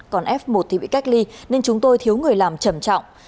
còn f một thì bị cách ly nên chúng tôi thiếu người làm trầm trọng